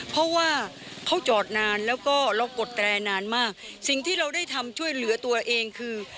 เพราะว่าเขาจอดนานแล้วก็เรากดแตรนานมากสิ่งที่เราได้ทำช่วยเหลือตัวเองคือ